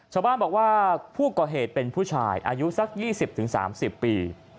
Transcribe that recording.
ชาวบ้านบอกว่าผู้ก่อเหตุเป็นผู้ชายอายุสัก๒๐๓๐ปี